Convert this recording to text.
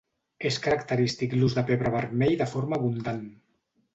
És característic l'ús de pebre vermell de forma abundant.